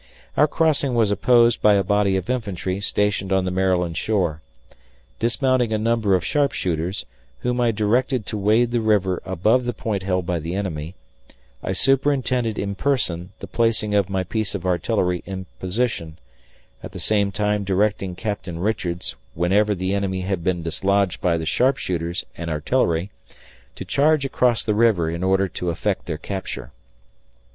Our crossing was opposed by a body of infantry stationed on the Maryland shore. Dismounting a number of sharpshooters, whom I directed to wade the river above the point held by the enemy, I superintendedin person the placing of my piece of artillery in position at the same time directing Captain Richards whenever the enemy had been dislodged by the sharpshooters and artillery, to charge across the river in order to effect their capture.